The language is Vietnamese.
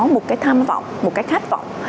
một cái tham vọng một cái khát vọng